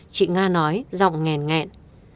chị nga nói giọng nghẹn nghẹn